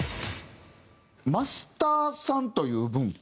マスターさんという文化。